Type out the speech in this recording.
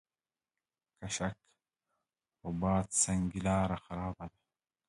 کشک رباط سنګي لاره خرابه ده؟